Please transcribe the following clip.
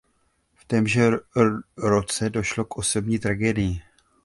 V témže roce došlo k osobní tragédii.